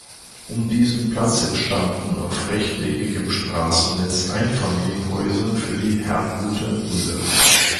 Um diesen Platz entstanden auf rechteckigem Straßennetz Einfamilienhäuser für die Herrnhuter Brüder.